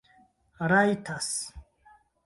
rajtas